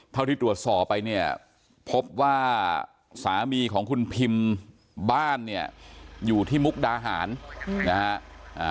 เท่าที่ตรวจสอบไปเนี่ยพบว่าสามีของคุณพิมบ้านเนี่ยอยู่ที่มุกดาหารนะฮะ